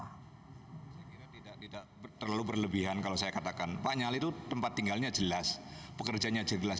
saya kira tidak terlalu berlebihan kalau saya katakan pak nyali itu tempat tinggalnya jelas pekerjanya jelas